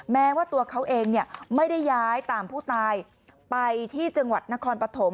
แม้ว่าตัวเขาเองไม่ได้ย้ายตามผู้ตายไปที่จังหวัดนครปฐม